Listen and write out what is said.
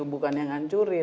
bukan yang hancurin